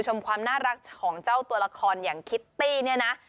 ความน่ารักของเจ้าตัวละครอย่างคิตตี้เนี่ยนะ